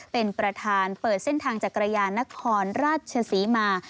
เป็นประธานเปิดเส้นทางจักรยานนครราชศรีมา